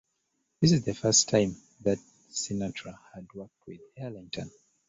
This was the first time that Sinatra had worked with Ellington.